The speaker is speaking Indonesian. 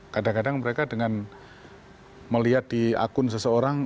kadang kadang mereka dengan melihat di akun seseorang